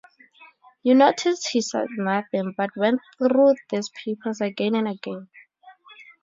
You noticed he said nothing, but went through these papers again and again.